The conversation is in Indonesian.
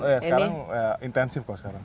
oh iya sekarang intensif kok sekarang